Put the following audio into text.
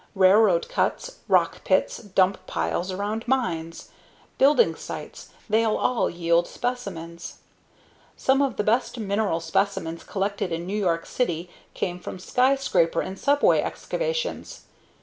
Railroad cuts, rock pits, dump piles around mines, building sites they'll all yield specimens. Some of the best mineral specimens collected in New York City came from skyscraper and subway excavations.